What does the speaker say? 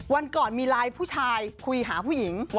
วันก่อนมีไลน์ผู้ชายคุยหาผู้หญิง